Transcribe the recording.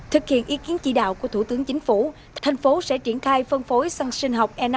thực hiện ý kiến chỉ đạo của thủ tướng chính phủ thành phố sẽ triển thai phân phối xăng sinh học e năm